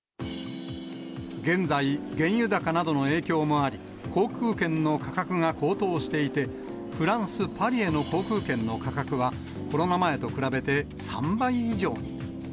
現在、原油高などの影響もあり、航空券の価格が高騰していて、フランス・パリへの航空券の価格は、コロナ前と比べて、３倍以上に。